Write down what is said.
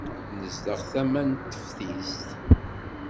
Nezdeɣ tama n teftist.